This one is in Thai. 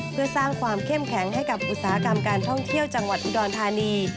เพื่อสร้างความเข้มแข็งให้กับอุตสาหกรรมการท่องเที่ยวจังหวัดอุดรธานี